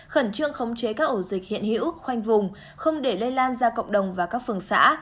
khẩn trương khống chế các ổ dịch hiện hữu khoanh vùng không để lây lan ra cộng đồng và các phường xã